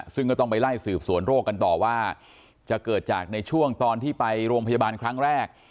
ซึ่งก็ต้องไปไล่สืบสวนโรคกันต่อว่าจะเกิดจากในช่วงตอนที่ไปโรงพยาบาลครั้งแรก